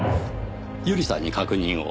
由梨さんに確認を。